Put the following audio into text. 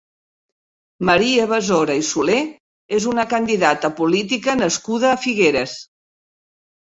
Maria Besora i Soler és una candidata política nascuda a Figueres.